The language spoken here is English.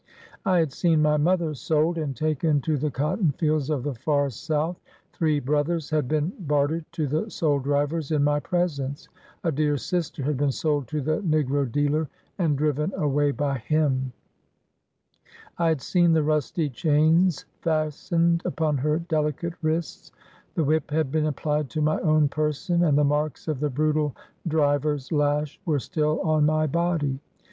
I had seen my mother sold, and taken to the cotton fields of the far South ; three brothers had been bartered to the soul drivers in my presence ; a dear sister had been sold to the negro dealer and driven away by him ; I had seen the rusty chains fastened upon her delicate wrists ; the whip had been applied to my own person, and the marks of the brutal driver's lash were still on my body.